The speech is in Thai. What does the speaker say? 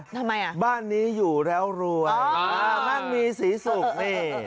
ทำไมอ่ะบ้านนี้อยู่แล้วรวยมั่งมีศรีสุขนี่